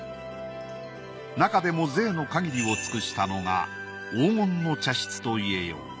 なかでも贅の限りを尽くしたのが黄金の茶室といえよう。